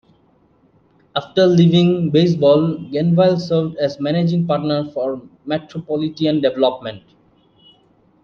After leaving baseball, Glanville served as managing partner for Metropolitan Development.